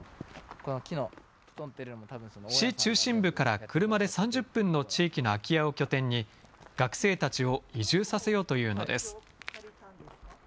市中心部から車で３０分の地域の空き家を拠点に、学生たちを移住させようというのです。